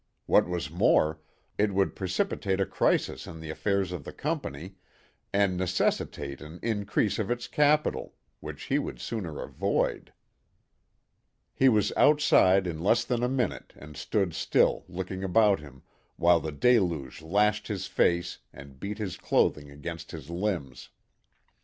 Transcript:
What was more, it would precipitate a crisis in the affairs of the company and necessitate an increase of its capital, which he would sooner avoid. He was outside in less than a minute and stood still looking about him, while the deluge lashed his face and beat his clothing against his limbs.